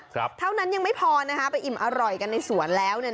ครับเท่านั้นยังไม่พอนะคะไปอิ่มอร่อยกันในสวนแล้วนะ